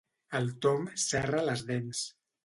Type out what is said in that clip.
El Tom serra les dents.